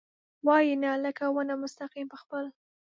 وايي ، نه ، لکه ونه مستقیم په خپل ...